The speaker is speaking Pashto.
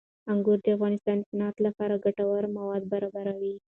انګور د افغانستان د صنعت لپاره ګټور مواد برابروي.